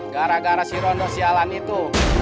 gara gara si rondo sialan itu